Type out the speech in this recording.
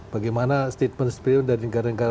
bagaimana statement speed dari negara negara